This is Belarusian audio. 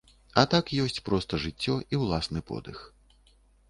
А так ёсць проста жыццё і ўласны подых.